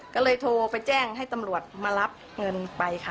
ก็เลยโทรไปแจ้งให้ตำรวจมารับเงินไปค่ะ